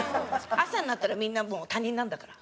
朝になったらみんなもう他人なんだから。